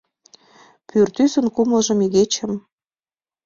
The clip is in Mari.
Пӱртӱсын кумылжым, игечым